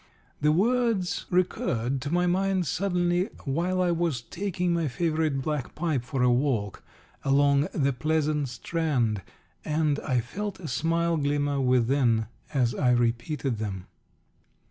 The words recurred to my mind suddenly, while I was taking my favourite black pipe for a walk along "the pleasant Strand," and I felt a smile glimmer within as I repeated them.